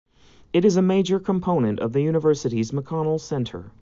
It is a major component of the university's McConnell Center.